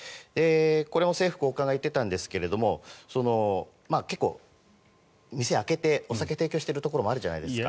これも政府高官が言っていたんですが結構、店を開けてお酒を提供しているところもあるじゃないですか。